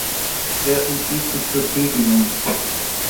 Er entschied sich für Tübingen.